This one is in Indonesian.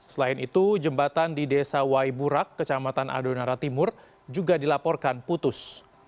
selain itu jembatan di desa waiburak kecamatan adonara timur juga dilaporkan putus